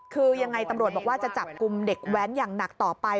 คือยังไงตำรวจบอกว่าจะจับกลุ่มเด็กแว้นอย่างหนักต่อไป